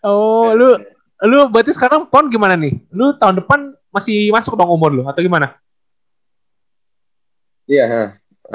oh lu lu berarti sekarang pon gimana nih lu tahun depan masih masuk dong umur lu atau gimana